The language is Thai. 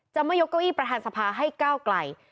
ไม่ยกเก้าอี้ประธานสภาให้ก้าวไกล